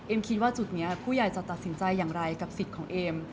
คิดว่าจุดนี้ผู้ใหญ่จะตัดสินใจอย่างไรกับสิทธิ์ของเอม